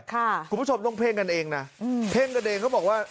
คุณผู้ชมต้องเพ่งกันเองนะเพ่งกันเองเขาบอกว่า